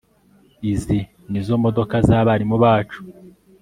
izi nizo modoka zabarimu bacu